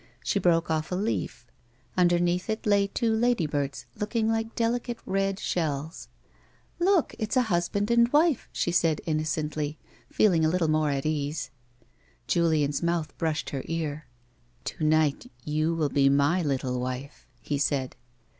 She broke off a leaf ; underneath it lay two lady birds looking like delicate, red shells. " Look, it's a husband and wife," she said, innocently, feel ing a little more at ease. Julian's mouth brushed her ear ; "To night you will be my little wife," he said.